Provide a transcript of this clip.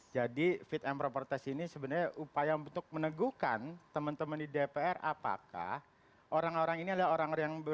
jadi fit and proper test ini sebenarnya upaya untuk meneguhkan teman teman di dpr apakah orang orang ini adalah orang yang berbayar